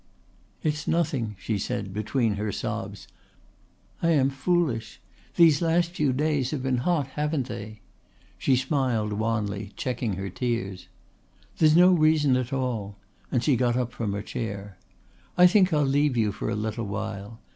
"It's nothing," she said between her sobs. "I am foolish. These last few days have been hot, haven't they?" She smiled wanly, checking her tears. "There's no reason at all," and she got up from her chair. "I think I'll leave you for a little while.